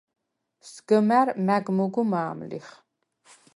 სგჷმა̈რ მა̈გ მუგუ მა̄მ ლიხ.